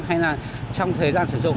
hay là trong thời gian sử dụng